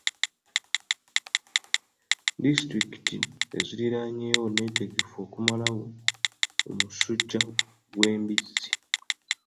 Disitulikiti eziriraanyewo neetegefu okumalawo omusujja gw'embizzi.